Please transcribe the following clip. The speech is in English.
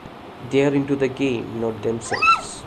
They're into the game, not themselves.